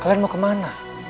kalian mau kemana